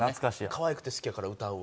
かわいくて好きやから歌うわ。